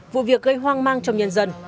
vụ việc gây hoang mang trong nhân dân